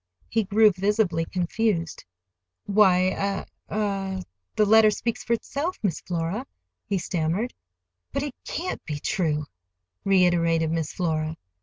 He grew visibly confused. "Why—er—ah—the letter speaks for itself Miss Flora," he stammered. "But it can't be true," reiterated Miss Flora.